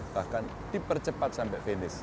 bahkan dipercepat sampai finish